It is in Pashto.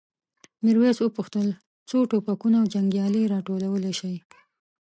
میرويس وپوښتل څو ټوپکونه او جنګیالي راټولولی شئ؟